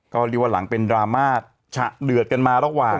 ก็เรียกว่าหลังเป็นดราม่าฉะเดือดกันมาระหว่าง